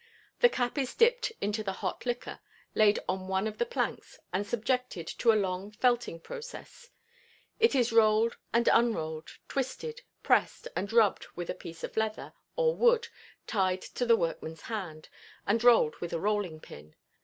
The cap is dipped into the hot liquor, laid on one of the planks, and subjected to a long felting process; it is rolled and unrolled, twisted, pressed, and rubbed with a piece of leather or wood tied to the workman's hand, and rolled with a rolling pin.